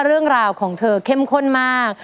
เรื่องราวของเธอเข้มข้นมาก